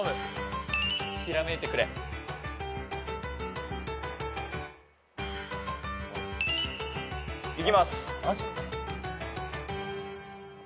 ひらめいてくれ。いきます。